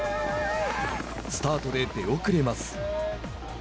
スタートで出遅れます。